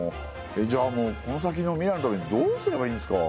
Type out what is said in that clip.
じゃあもうこの先の未来のためにどうすればいいんですか。